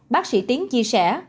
bác sĩ tiến chia sẻ